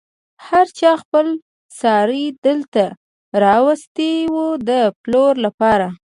هر چا خپل څاری دلته راوستی و د پلور لپاره.